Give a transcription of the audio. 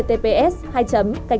theo những đối tượng này